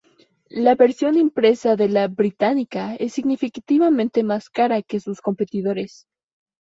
La versión impresa de la "Britannica" es significativamente más cara que sus competidores.